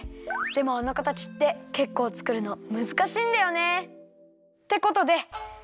でもあのかたちってけっこうつくるのむずかしいんだよね。